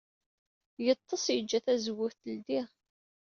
Yeḍḍes, yejja tazewwut teldey.